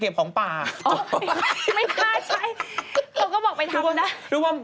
ผู้หญิงเพราะผู้หญิง